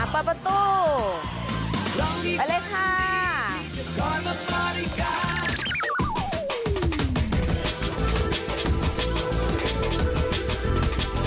แปปปะตู้